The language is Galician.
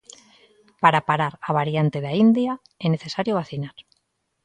Para parar a variante da India é necesario vacinar.